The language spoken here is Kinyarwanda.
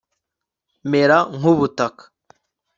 mera nk'ubutaka